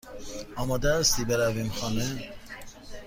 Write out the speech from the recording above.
آماده هستی برویم خانه؟